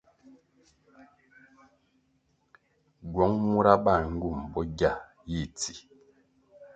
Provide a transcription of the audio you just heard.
Ywuong mura ba ngywum bo gia yih tsi.